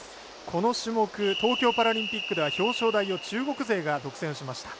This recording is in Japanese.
この種目東京パラリンピックでは表彰台を中国勢が独占しました。